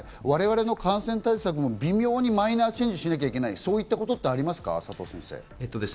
我々の感染対策も微妙にマイナーチェンジしなきゃいけないことってありますか？